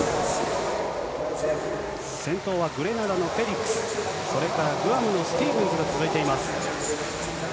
先頭はグレナダのフェリックス、それからスティーブンズと続いています。